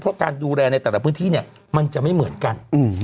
เพราะการดูแลในแต่ละพื้นที่เนี่ยมันจะไม่เหมือนกัน